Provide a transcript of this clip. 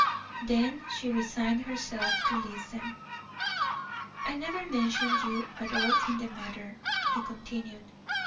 Then she resigned herself to listen. "I never mentioned you at all in the matter," he continued.